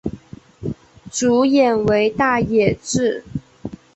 主演为大野智。